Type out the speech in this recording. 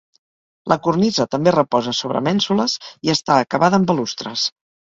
La cornisa també reposa sobre mènsules i està acabada amb balustres.